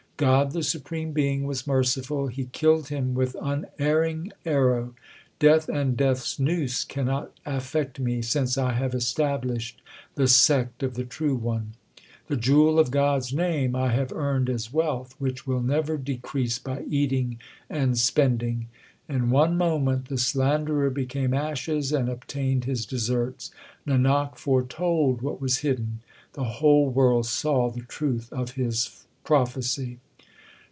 God the supreme Being was merciful : He killed him with unerring arrow. Death and Death s noose cannot affect me since I have established the sect of the True One. The jewel of God s name I have earned as wealth, which will never decrease by eating and spending. In one moment the slanderer became ashes and obtained his deserts. Nanak foretold what was hidden ; the whole world saw the truth of his prophecy.